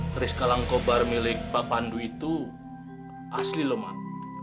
keris kalangkobar milik pak pandu itu asli loh mak